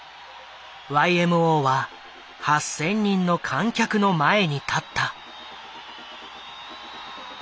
ＹＭＯは８，０００人の観客の前に立った。